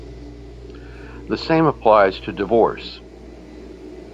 The same applies to divorce.